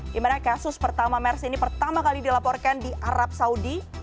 di mana kasus pertama mers ini pertama kali dilaporkan di arab saudi